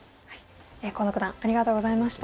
河野九段ありがとうございました。